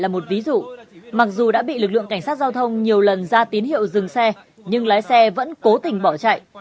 là một ví dụ mặc dù đã bị lực lượng cảnh sát giao thông nhiều lần ra tín hiệu dừng xe nhưng lái xe vẫn cố tình bỏ chạy